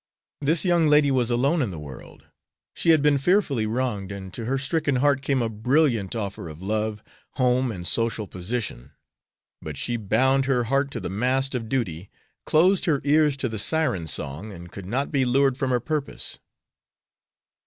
This young lady was alone in the world. She had been fearfully wronged, and to her stricken heart came a brilliant offer of love, home, and social position. But she bound her heart to the mast of duty, closed her ears to the syren song, and could not be lured from her purpose."